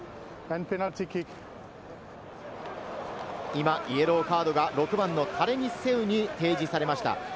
今、イエローカードが６番のタレニ・セウに提示されました。